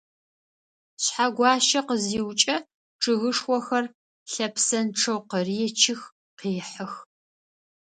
Шъхьэгуащэ къызиукӏэ, чъыгышхохэр лъэпсэнчъэу къыречых, къехьых.